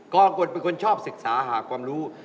กรกฎเป็นคนชอบศึกษาหาความรู้